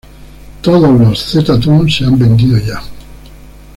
Todos los Z- Tunes se han vendido ya.